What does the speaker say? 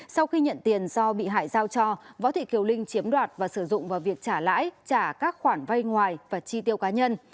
sau khi nhận tiền do bị hại giao cho võ thị thiều linh chiếm đoạt và sử dụng vào việc trả lãi trả các khoản vay ngoài và chi tiêu cá nhân